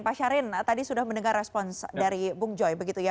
pak syarin tadi sudah mendengar respons dari bung joy begitu ya